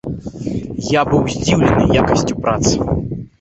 Я быў здзіўлены якасцю прац!